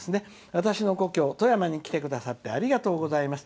「私の故郷、富山県に来ていただきありがとうございます。